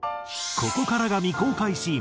ここからが未公開シーン。